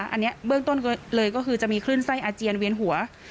อันนี้เบื้องต้นก็เลยก็คือจะมีคลื่นไส้อาเจียนเวียนหัว